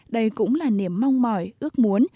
đây cũng là niềm mong mỏi ước mong